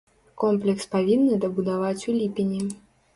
Комплекс павінны дабудаваць у ліпені.